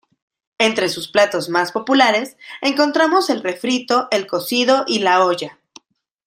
Entre sus platos más populares, encontramos el refrito, el cocido y la olla.